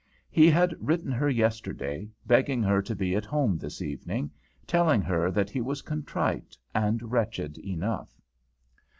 He had written her yesterday, begging her to be at home this evening, telling her that he was contrite, and wretched enough.